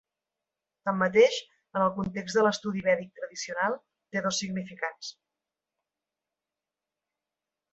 Tanmateix, en el context de l'estudi vèdic tradicional, té dos significats.